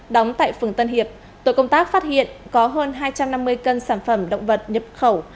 đóng tại phường tân hiệp tổ công tác phát hiện có hơn hai trăm năm mươi cân sản phẩm động vật nhập khẩu